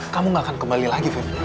kamu gak akan kembali lagi fit